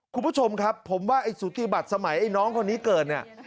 คุณผู้ชมครับผมว่าสุธิบัติสมัยน้องคนนี้เกิด